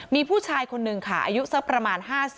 มีผู้ชายคนหนึ่งค่ะอายุสักประมาณ๕๐